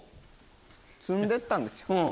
積んでったんですよ。